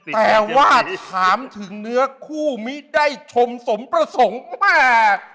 แต่ว่าถามถึงเนื้อคู่มิได้ชมสมประสงค์มาก